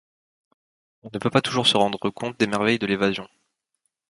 On ne peut pas toujours se rendre compte des merveilles de l’évasion.